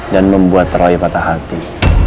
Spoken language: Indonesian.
dan membuat roy patah hati